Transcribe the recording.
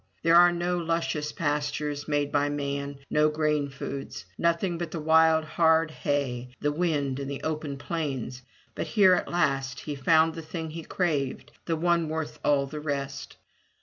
There are no luscious pastures made by man, no grain foods; nothing but the wild hard hay, the wind and the open plains, but here at last he found the thing he craved — the one worth all the rest.